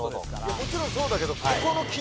もちろんそうだけど。